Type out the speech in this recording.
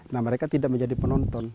nah mereka tidak menjadi penonton